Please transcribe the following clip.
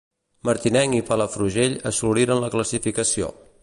Martinenc i Palafrugell assoliren la classificació.